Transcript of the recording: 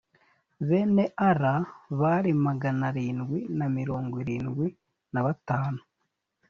bene ara bari magana arindwi na mirongo irindwi na batanu